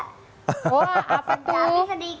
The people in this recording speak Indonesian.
wah apa tuh